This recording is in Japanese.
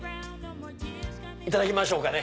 いただきましょうかね。